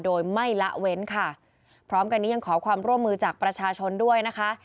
โดยไม่ละเว้นค่ะพร้อมกันนี้ยังขอความร่วมมือจากประชาชนด้วยนะคะ